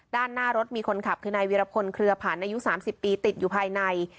ด้านหน้ารถมีคนขับคือนายวิรพลเครือผันอายุ๓๐ปีติดอยู่ภายใน